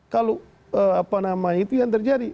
kalau apa nama itu yang terjadi